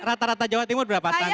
rata rata jawa timur berapa tahun